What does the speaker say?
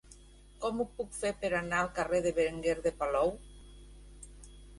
Com ho puc fer per anar al carrer de Berenguer de Palou?